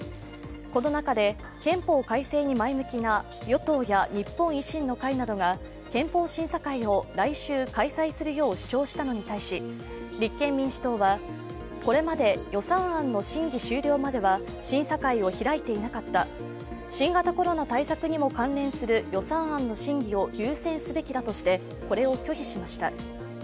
この中で憲法改正に前向きな与党や日本維新の会などが憲法審査会を来週開催するよう主張したのに対し立憲民主党は、これまで予算案の審議終了までは審査会を開いていなかった、新型コロナ対策にも関連する予算案の審議を優先すべきだとして、これを拒否しました。